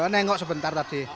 nengok sebentar tadi